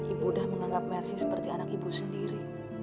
ibu udah menganggap mersi seperti anak ibu sendiri